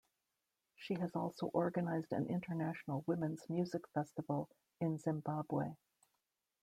She has also organized an international women's music festival in Zimbabwe.